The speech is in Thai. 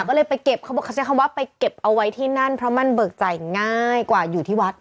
ก็เลยไปเก็บเขาบอกเขาใช้คำว่าไปเก็บเอาไว้ที่นั่นเพราะมันเบิกจ่ายง่ายกว่าอยู่ที่วัด